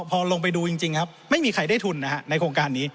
พอลงไปดูจริงครับไม่มีใครได้ทุนนะฮะในโครงการนี้